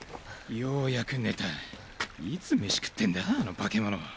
ようやく寝たいつ飯食ってんだあの化物。